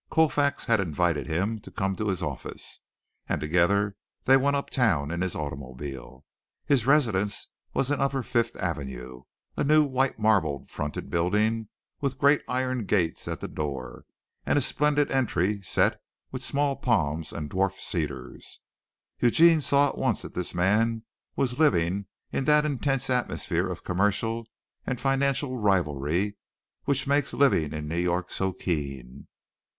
Colfax had invited him to come to his office, and together they went uptown in his automobile. His residence was in upper Fifth Avenue, a new, white marble fronted building with great iron gates at the door and a splendid entry set with small palms and dwarf cedars. Eugene saw at once that this man was living in that intense atmosphere of commercial and financial rivalry which makes living in New York so keen.